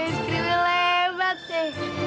skriwil lebat sih